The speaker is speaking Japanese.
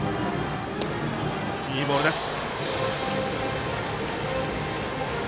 いいボールです。